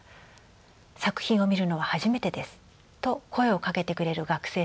作品を見るのは初めてです」と声をかけてくれる学生さんもいます。